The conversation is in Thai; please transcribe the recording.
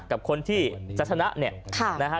กับคนที่จะชนะเนี่ย